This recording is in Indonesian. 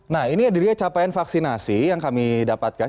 nah ini adanya capaian vaksinasi yang kami dapatkan